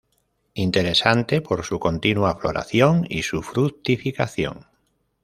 Interesante por su continua floración, y su fructificación.